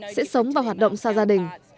sẽ sống và hoạt động xa gia đình